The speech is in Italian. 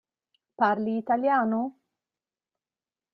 Parli italiano?